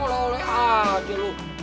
oleh oleh aja lo